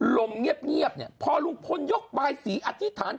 ลมเงียบเนี่ยพอลุงพลยกบายสีอธิษฐาน